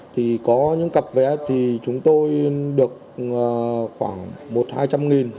thì có những cặp vé thì chúng tôi được khoảng một hai trăm linh nghìn